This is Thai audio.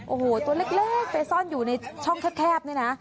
โอ้โหตัวเล็กไปซ่อนอยู่ในช่องแคบนี่นะ